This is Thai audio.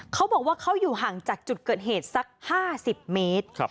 เขาบอกว่าเขาอยู่ห่างจากจุดเกิดเหตุสัก๕๐เมตร